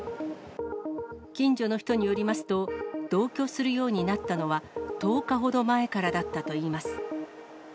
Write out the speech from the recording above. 近所の人によりますと、同居するようになったのは１０日ほど前からだったといいます。